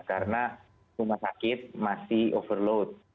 karena rumah sakit masih overload